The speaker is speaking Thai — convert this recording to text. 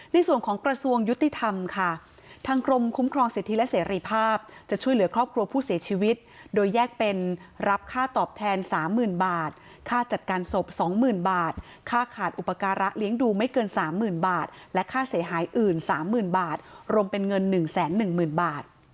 ในส่วนของกระทรวงยุติธรรมค่ะทางกรมคุ้มครองสิทธิและเสรีภาพจะช่วยเหลือครอบครัวผู้เสียชีวิตโดยแยกเป็นรับค่าตอบแทน๓๐๐๐บาทค่าจัดการศพ๒๐๐๐บาทค่าขาดอุปการะเลี้ยงดูไม่เกิน๓๐๐๐บาทและค่าเสียหายอื่น๓๐๐๐บาทรวมเป็นเงิน๑๑๐๐๐บาท